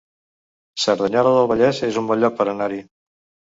Cerdanyola del Vallès es un bon lloc per anar-hi